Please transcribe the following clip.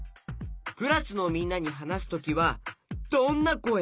クラスのみんなにはなすときはどんなこえ？